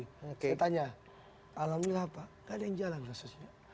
saya tanya alhamdulillah pak tidak ada yang jalan khususnya